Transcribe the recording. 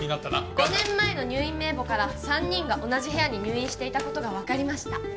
５年前の入院名簿から三人が同じ部屋に入院していたと分かりました